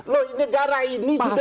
loh negara ini sudah